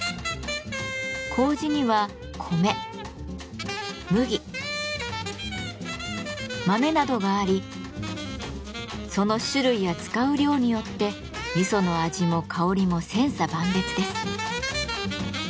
麹には米麦豆などがありその種類や使う量によって味噌の味も香りも千差万別です。